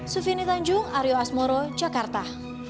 sufini tanjung aryo asmoro jakarta